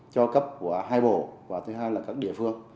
cho cấp của hai bộ và thứ hai là các địa phương